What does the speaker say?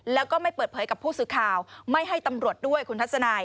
แล้วก็ไม่เปิดเผยกับผู้สื่อข่าวไม่ให้ตำรวจด้วยคุณทัศนาย